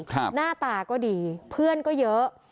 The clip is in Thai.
หน้าตาก็ดีเพื่อนก็เยอะ